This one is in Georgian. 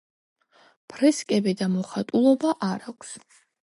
ფრესკები და მოხატულობა არ აქვს.